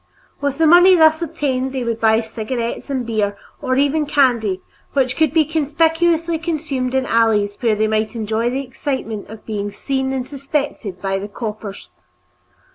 With the money thus obtained they would buy cigarettes and beer or even candy, which could be conspicuously consumed in the alleys where they might enjoy the excitement of being seen and suspected by the "coppers."